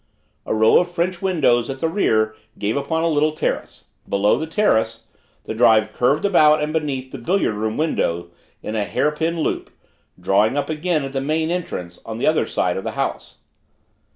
A row of French windows at the rear gave upon a little terrace; below the terrace, the drive curved about and beneath the billiard room windows in a hairpin loop, drawing up again at the main entrance on the other side of the house.